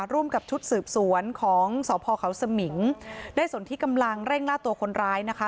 ร่วมกับชุดสืบสวนของสพเขาสมิงได้สนที่กำลังเร่งล่าตัวคนร้ายนะคะ